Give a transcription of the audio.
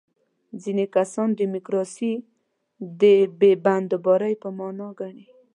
ځینې کسان دیموکراسي د بې بندوبارۍ په معنا ګڼي.